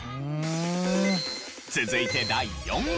続いて第４位。